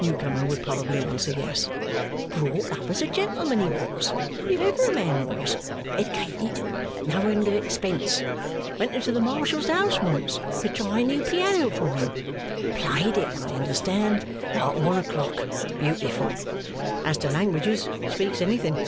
New comer would probably answer Yes. 'Brought up as a gentleman, he was, if ever a man was. Ed'cated at no end of expense. Went into the Marshal's house once to try a new piano for him. Played it, I understand, like one o'clock beautiful! As to languages speaks anything.